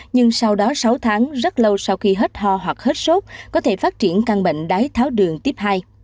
nhưng sau đó sáu tháng rất lâu sau khi hết ho hoặc hết sốt có thể phát triển căn bệnh đái tháo đường tiếp hai